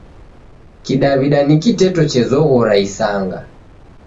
Kidaw'ida ni kiteto chezoghora isanga.